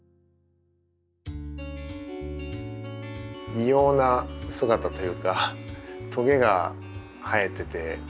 異様な姿というかトゲが生えてて。